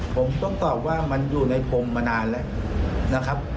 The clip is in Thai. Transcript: ผมต้องตอบว่ามันอยู่ในพรมมานานแล้วนะครับ